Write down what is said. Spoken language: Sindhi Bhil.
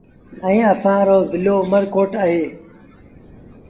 ائيٚݩ اسآݩ رو زلو اُ مر ڪوٽ اهي